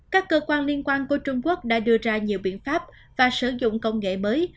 các cơ quan liên quan của trung quốc đã đưa ra nhiều biện pháp và sử dụng công nghệ mới